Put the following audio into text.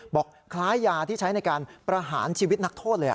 บอกคล้ายยาที่ใช้ในการประหารชีวิตนักโทษเลย